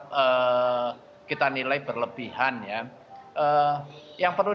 mereka kemudian disimulasifkan khusus kepentinganemedahan